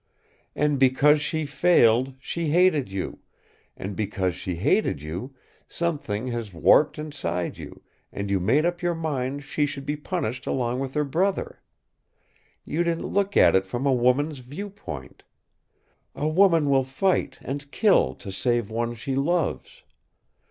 "And because she failed, she hated you; and because she hated you, something was warped inside you, and you made up your mind she should be punished along with her brother. You didn't look at it from a woman's viewpoint. A woman will fight, and kill, to save one she loves.